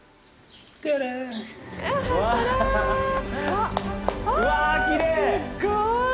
すっごい！